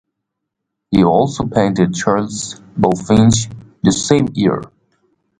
He also painted Charles Bulfinch the same year.